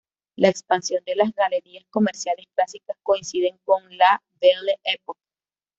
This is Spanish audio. La expansión de las galerías comerciales clásicas coincide con la Belle Époque.